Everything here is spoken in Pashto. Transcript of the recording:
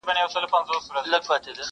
د نادانی عمر چي تېر سي نه راځینه!!